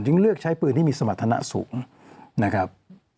เลือกใช้ปืนที่มีสมรรถนะสูงนะครับ